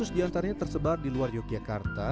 dua ratus diantaranya tersebar di luar yogyakarta